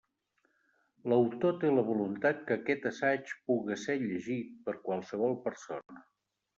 L'autor té la voluntat que aquest assaig puga ser llegit per qualsevol persona.